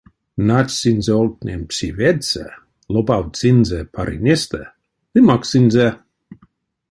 Начтсынзе олгтнень пси ведьсэ, лопавтсынзе парынестэ ды макссынзе.